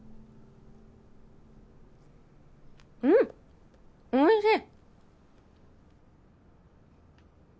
うんおいしい！